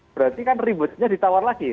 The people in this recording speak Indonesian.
berarti kan ributnya ditawar lagi